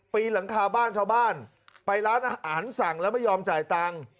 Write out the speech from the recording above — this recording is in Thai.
ปีนหลังคาบ้านชาวบ้านไปร้านอาหารสั่งแล้วไม่ยอมจ่ายตังค์